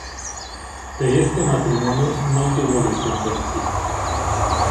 De este matrimonio no tuvo descendencia.